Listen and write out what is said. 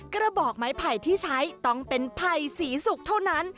กระบอกไม้ไผ่ที่ใช้ต้องเป็นไผ่สีสุกเท่านั้น